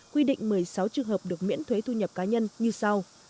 quy định một mươi sáu trường hợp được miễn thuế thu nhập cá nhân như sau